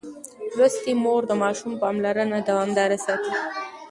لوستې مور د ماشوم پاملرنه دوامداره ساتي.